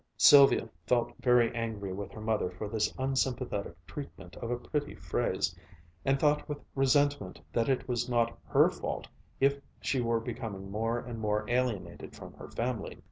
Sylvia felt very angry with her mother for this unsympathetic treatment of a pretty phrase, and thought with resentment that it was not her fault if she were becoming more and more alienated from her family.